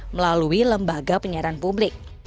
melalui lembaga penyiaran publik